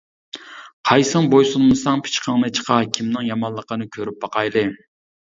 قايسىڭ بويسۇنمىساڭ پىچىقىڭنى چىقار، كىمنىڭ يامانلىقىنى كۆرۈپ باقايلى!